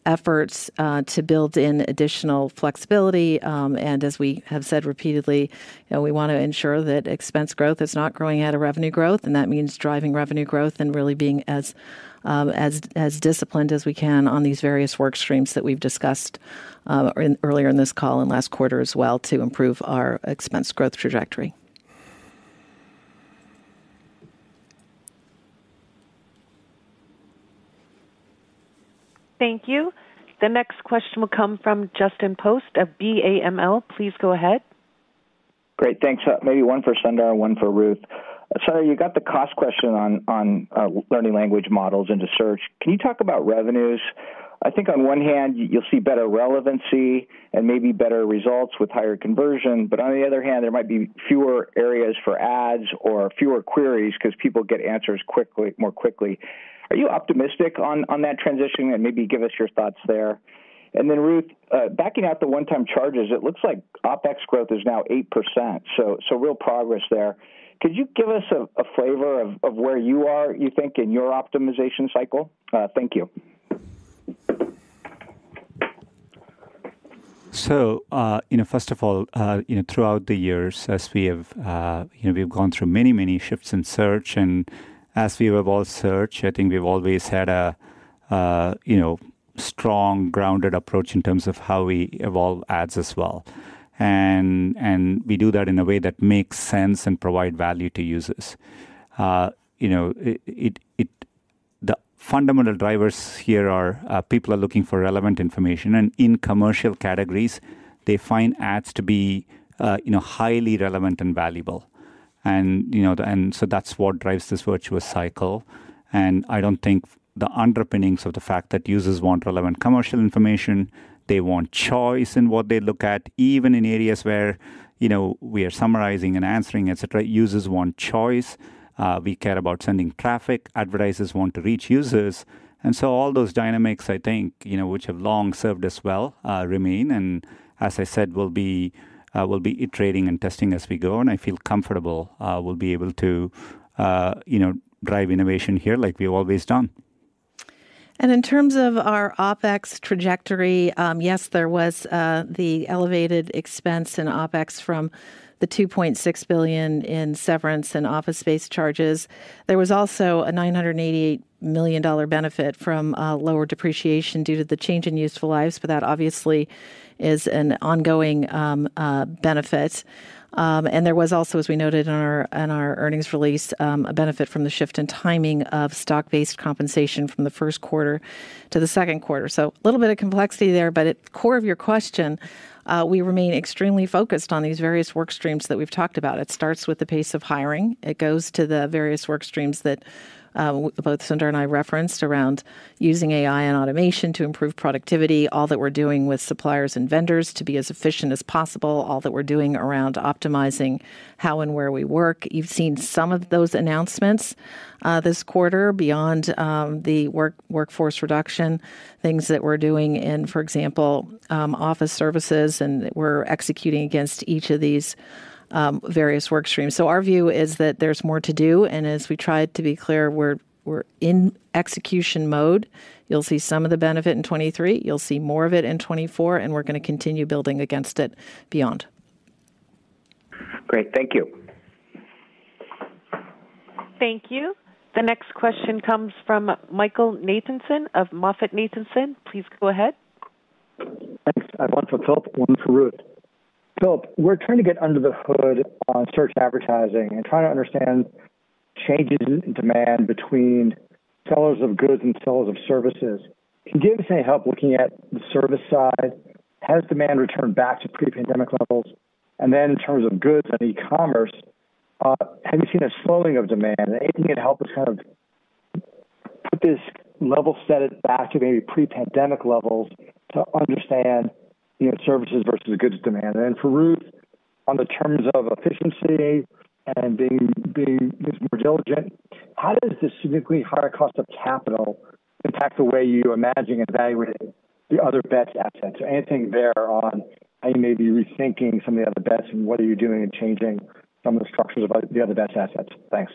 efforts to build in additional flexibility. As we have said repeatedly, we want to ensure that expense growth is not growing out of revenue growth, and that means driving revenue growth and really being as disciplined as we can on these various work streams that we've discussed earlier in this call and last quarter as well to improve our expense growth trajectory. Thank you. The next question will come from Justin Post of BAML. Please go ahead. Great. Thanks. Maybe one for Sundar and one for Ruth. Sundar, you got the cost question on large language models into search. Can you talk about revenues? I think on one hand, you'll see better relevancy and maybe better results with higher conversion, but on the other hand, there might be fewer areas for ads or fewer queries because people get answers more quickly. Are you optimistic on that transition? And maybe give us your thoughts there. Then Ruth, backing out the one-time charges, it looks like OpEx growth is now 8%. Real progress there. Could you give us a flavor of where you are, you think, in your optimization cycle? Thank you. First of all, throughout the years, as we have gone through many, many shifts in search, and as we evolve search, I think we've always had a strong, grounded approach in terms of how we evolve ads as well. And we do that in a way that makes sense and provides value to users. The fundamental drivers here are people are looking for relevant information. And in commercial categories, they find ads to be highly relevant and valuable. And so that's what drives this virtuous cycle. I don't think the underpinnings of the fact that users want relevant commercial information, they want choice in what they look at, even in areas where we are summarizing and answering, et cetera, users want choice. We care about sending traffic. Advertisers want to reach users. And so all those dynamics, I think, which have long served us well, remain. And as I said, we'll be iterating and testing as we go. And I feel comfortable we'll be able to drive innovation here like we've always done. And in terms of our OpEx trajectory, yes, there was the elevated expense in OpEx from the $2.6 billion in severance and office space charges. There was also a $988 million benefit from lower depreciation due to the change in useful lives, but that obviously is an ongoing benefit. There was also, as we noted in our earnings release, a benefit from the shift in timing of stock-based compensation from the first quarter to the second quarter. A little bit of complexity there, but at the core of your question, we remain extremely focused on these various work streams that we've talked about. It starts with the pace of hiring. It goes to the various work streams that both Sundar and I referenced around using AI and automation to improve productivity, all that we're doing with suppliers and vendors to be as efficient as possible, all that we're doing around optimizing how and where we work. You've seen some of those announcements this quarter beyond the workforce reduction, things that we're doing in, for example, office services, and we're executing against each of these various work streams. Our view is that there's more to do. And as we tried to be clear, we're in execution mode. You'll see some of the benefit in 2023. You'll see more of it in 2024, and we're going to continue building against it beyond. Great. Thank you. Thank you. The next question comes from Michael Nathanson of MoffettNathanson. Please go ahead. Thanks. I have one for Philipp, one for Ruth. Philipp, we're trying to get under the hood on search advertising and trying to understand changes in demand between sellers of goods and sellers of services. Can you give us any help looking at the service side? Has demand returned back to pre-pandemic levels? And then in terms of goods and e-commerce, have you seen a slowing of demand? Anything that helps kind of put this level set back to maybe pre-pandemic levels to understand services versus goods demand? For Ruth, on the terms of efficiency and being more diligent, how does the significantly higher cost of capital impact the way you're imagining and evaluating the Other Bets assets? Anything there on how you may be rethinking some of the Other Bets and what are you doing and changing some of the structures of the Other Bets assets? Thanks.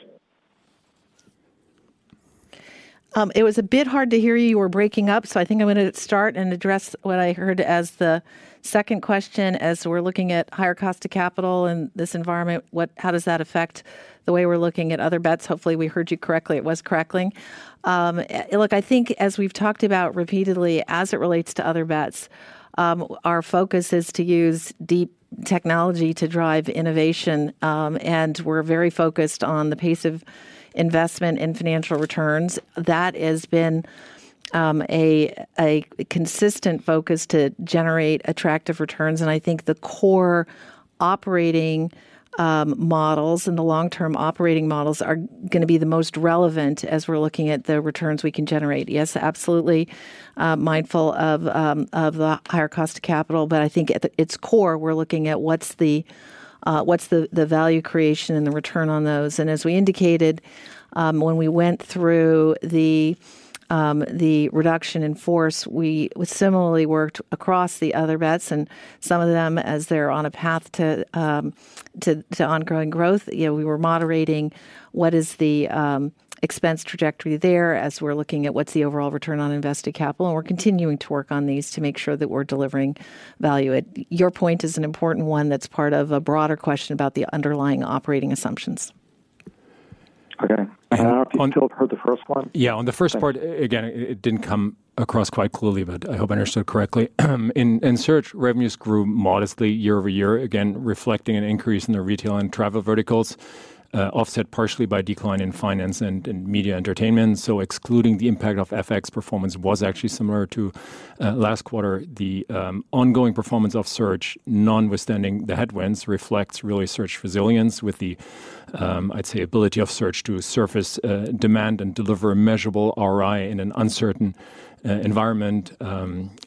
It was a bit hard to hear you. You were breaking up. So I think I'm going to start and address what I heard as the second question. As we're looking at higher cost of capital in this environment, how does that affect the way we're looking at Other Bets? Hopefully, we heard you correctly. It was crackling. Look, I think as we've talked about repeatedly, as it relates to Other Bets, our focus is to use deep technology to drive innovation. And we're very focused on the pace of investment and financial returns. That has been a consistent focus to generate attractive returns. And I think the core operating models and the long-term operating models are going to be the most relevant as we're looking at the returns we can generate. Yes, absolutely mindful of the higher cost of capital, but I think at its core, we're looking at what's the value creation and the return on those. And as we indicated, when we went through the reduction in force, we similarly worked across the other bets. And some of them, as they're on a path to ongoing growth, we were moderating what is the expense trajectory there as we're looking at what's the overall return on invested capital. And we're continuing to work on these to make sure that we're delivering value. Your point is an important one that's part of a broader question about the underlying operating assumptions. Okay. Until I've heard the first one. Yeah. On the first part, again, it didn't come across quite clearly, but I hope I understood correctly. In search, revenues grew modestly year over year, again, reflecting an increase in the retail and travel verticals, offset partially by decline in finance and media entertainment. So excluding the impact of FX, performance was actually similar to last quarter. The ongoing performance of search, notwithstanding the headwinds, reflects really search resilience with the, I'd say, ability of search to surface demand and deliver measurable ROI in an uncertain environment.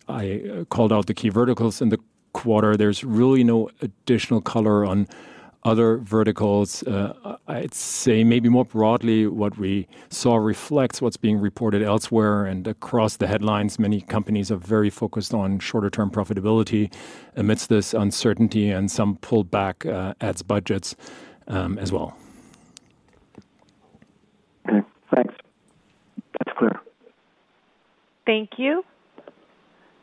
I called out the key verticals in the quarter. There's really no additional color on other verticals. I'd say maybe more broadly, what we saw reflects what's being reported elsewhere and across the headlines. Many companies are very focused on shorter-term profitability amidst this uncertainty and some pullback at budgets as well. Okay. Thanks. That's clear. Thank you.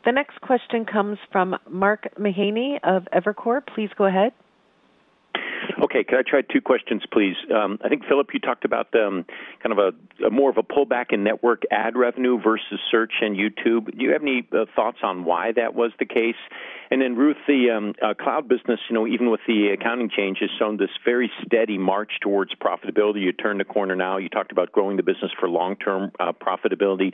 The next question comes from Mark Mahaney of Evercore. Please go ahead. Okay. Could I try two questions, please? I think, Philipp, you talked about kind of more of a pullback in network ad revenue versus search and YouTube. Do you have any thoughts on why that was the case? And then Ruth, the cloud business, even with the accounting changes, has shown this very steady march towards profitability. You turned the corner now. You talked about growing the business for long-term profitability.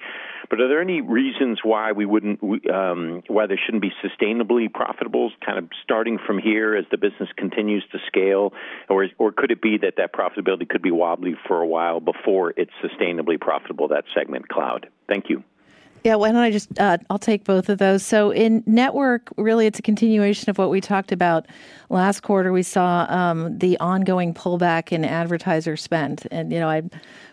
But are there any reasons why there shouldn't be sustainably profitable, kind of starting from here as the business continues to scale? Or could it be that that profitability could be wobbly for a while before it's sustainably profitable, that segment cloud? Thank you. Yeah. Why don't I just. I'll take both of those. So in network, really, it's a continuation of what we talked about. Last quarter, we saw the ongoing pullback in advertiser spend. And I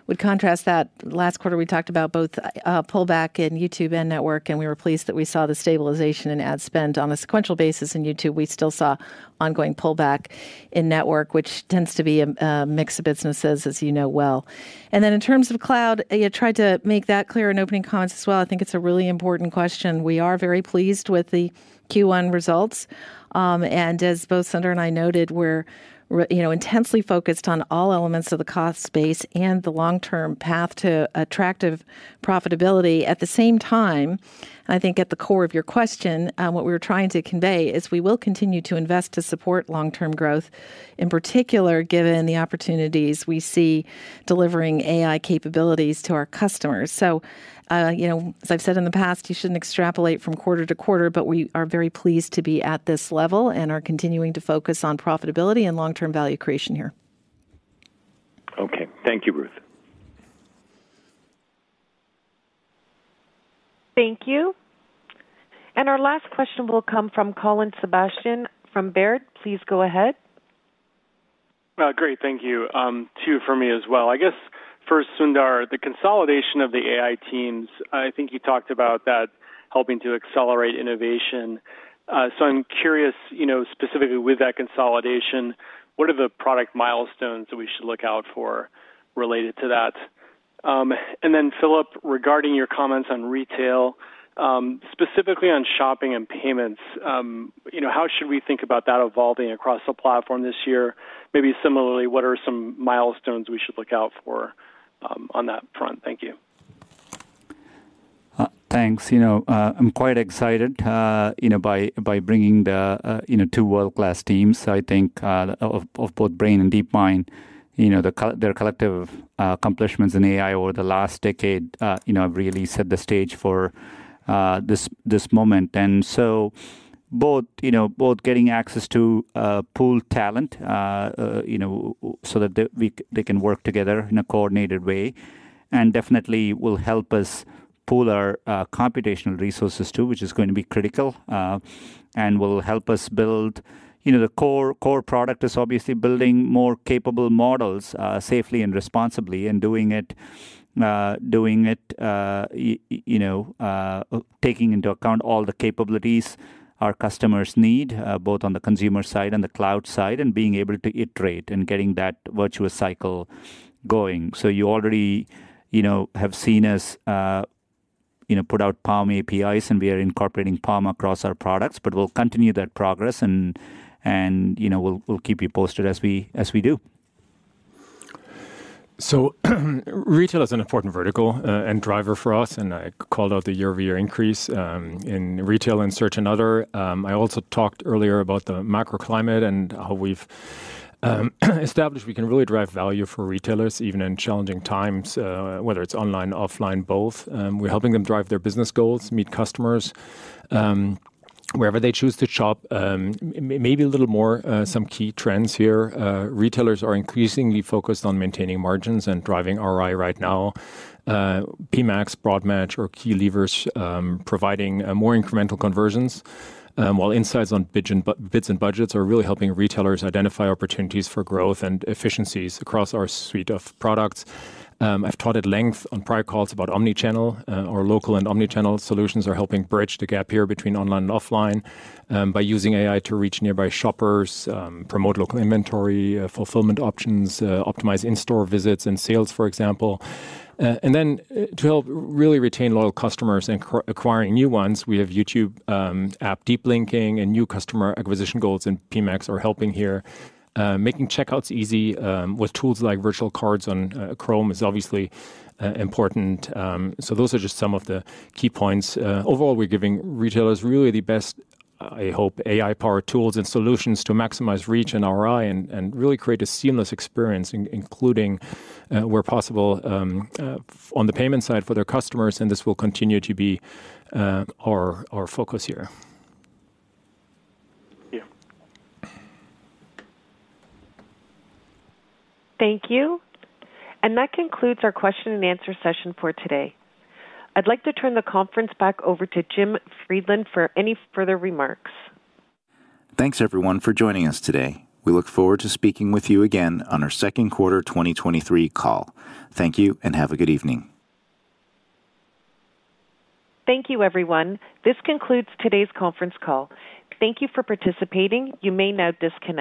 would contrast that. Last quarter, we talked about both pullback in YouTube and network, and we were pleased that we saw the stabilization in ad spend. On a sequential basis in YouTube, we still saw ongoing pullback in network, which tends to be a mix of businesses, as you know well. And then in terms of cloud, I tried to make that clear in opening comments as well. I think it's a really important question. We are very pleased with the Q1 results. And as both Sundar and I noted, we're intensely focused on all elements of the cost space and the long-term path to attractive profitability. At the same time, I think at the core of your question, what we were trying to convey is we will continue to invest to support long-term growth, in particular given the opportunities we see delivering AI capabilities to our customers. So as I've said in the past, you shouldn't extrapolate from quarter to quarter, but we are very pleased to be at this level and are continuing to focus on profitability and long-term value creation here. Okay. Thank you, Ruth. Thank you. And our last question will come from Colin Sebastian from Baird. Please go ahead. Great. Thank you. Two for me as well. I guess first, Sundar, the consolidation of the AI teams, I think you talked about that helping to accelerate innovation. So I'm curious, specifically with that consolidation, what are the product milestones that we should look out for related to that? And then, Philipp, regarding your comments on retail, specifically on shopping and payments, how should we think about that evolving across the platform this year? Maybe similarly, what are some milestones we should look out for on that front? Thank you. Thanks. I'm quite excited by bringing the two world-class teams, I think, of both Brain and DeepMind. Their collective accomplishments in AI over the last decade have really set the stage for this moment. And so both getting access to pool talent so that they can work together in a coordinated way and definitely will help us pool our computational resources too, which is going to be critical, and will help us build the core product, is obviously building more capable models safely and responsibly and doing it, taking into account all the capabilities our customers need, both on the consumer side and the cloud side, and being able to iterate and getting that virtuous cycle going. So you already have seen us put out PaLM APIs, and we are incorporating PaLM across our products, but we'll continue that progress, and we'll keep you posted as we do. So retail is an important vertical and driver for us, and I called out the year-over-year increase in retail and search and other. I also talked earlier about the macro climate and how we've established we can really drive value for retailers, even in challenging times, whether it's online, offline, both. We're helping them drive their business goals, meet customers wherever they choose to shop. Maybe a little more on some key trends here. Retailers are increasingly focused on maintaining margins and driving ROI right now. PMax, Broad Match, or key levers providing more incremental conversions, while insights on bids and budgets are really helping retailers identify opportunities for growth and efficiencies across our suite of products. I've talked at length on prior calls about omnichannel. Our local and omnichannel solutions are helping bridge the gap here between online and offline by using AI to reach nearby shoppers, promote local inventory, fulfillment options, optimize in-store visits and sales, for example. And then to help really retain loyal customers and acquiring new ones, we have YouTube app deep linking and new customer acquisition goals in PMax are helping here. Making checkouts easy with tools like virtual cards on Chrome is obviously important. So those are just some of the key points. Overall, we're giving retailers really the best, I hope, AI-powered tools and solutions to maximize reach and ROI and really create a seamless experience, including where possible, on the payment side for their customers. And this will continue to be our focus here. Thank you. And that concludes our question-and-answer session for today. I'd like to turn the conference back over to Jim Friedland for any further remarks. Thanks, everyone, for joining us today. We look forward to speaking with you again on our second quarter 2023 call. Thank you and have a good evening. Thank you, everyone. This concludes today's conference call. Thank you for participating. You may now disconnect.